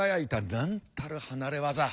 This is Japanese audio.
なんたる離れ業。